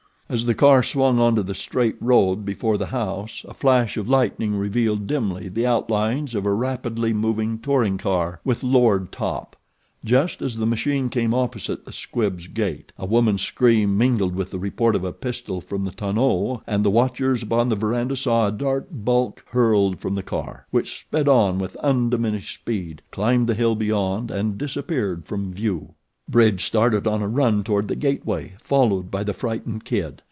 As the car swung onto the straight road before the house a flash of lightning revealed dimly the outlines of a rapidly moving touring car with lowered top. Just as the machine came opposite the Squibbs' gate a woman's scream mingled with the report of a pistol from the tonneau and the watchers upon the verandah saw a dark bulk hurled from the car, which sped on with undiminished speed, climbed the hill beyond and disappeared from view. Bridge started on a run toward the gateway, followed by the frightened Kid.